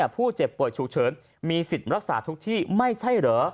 ผู้เจ็บป่วยฉุกเฉินมีสิทธิ์รักษาทุกที่ไม่ใช่เหรอ